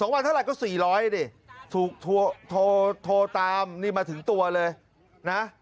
๒วันเท่าไหร่ก็๔๐๐นี่โทรตามมาถึงตัวเลยนะ